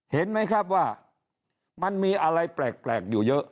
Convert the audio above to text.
เห็นไหมครับว่ามันมีอะไรแปลกอยู่เยอะ